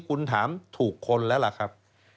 คุณถามถูกคนแล้วล่ะครับ